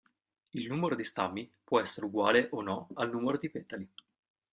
Il numero di stami può essere uguale o no al numero di petali.